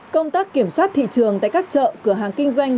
công tác kiểm soát thị trường tại các chợ cửa hàng kinh doanh